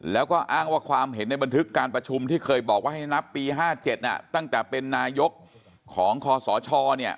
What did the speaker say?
แล้วก็อ้างว่าความเห็นในบันทึกการประชุมที่เคยบอกว่าให้นับปี๕๗ตั้งแต่เป็นนายกของคศเนี่ย